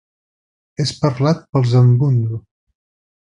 És parlat pels Ambundu.